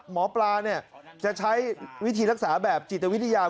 หมอปลาจะใช้วิธีรักษาแบบจิตวิทยา